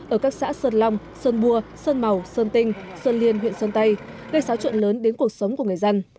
ở các xã sơn long sơn bua sơn màu sơn tinh sơn liên huyện sơn tây gây xáo trộn lớn đến cuộc sống của người dân